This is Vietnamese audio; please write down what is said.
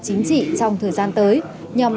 chính trị trong thời gian tới nhằm